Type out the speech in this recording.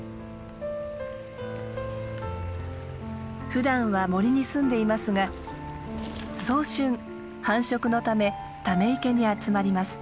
ふだんは森に住んでいますが早春繁殖のためため池に集まります。